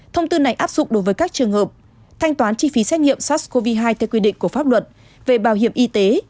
thông tư này áp dụng đối với các trường hợp thanh toán chi phí xét nghiệm sars cov hai theo quy định của pháp luật về bảo hiểm y tế